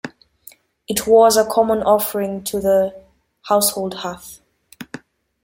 It was a common offering to the household hearth.